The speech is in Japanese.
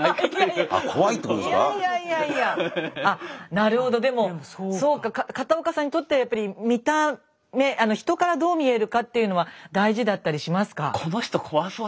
なるほどでもそうか片岡さんにとってはやっぱり見た目人からどう見えるかっていうのは大事だったりしますか？